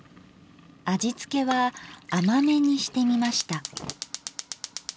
味付けは甘めにしてみました。